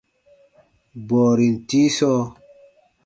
Bɔɔrin tii sɔɔ.